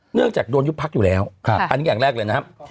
เนื่องจากโดนยุบพักอยู่แล้วอันนี้อย่างแรกเลยนะครับ